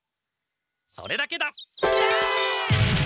それだけだ！え！？